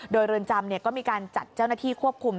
โดยเรือนจำก็มีการจัดเจ้าหน้าที่ควบคุม